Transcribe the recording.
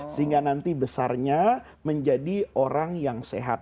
sehingga nanti besarnya menjadi orang yang sehat